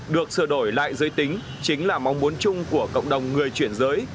được sửa đổi lại giới tính chính là mong muốn chung của cộng đồng người chuyển giới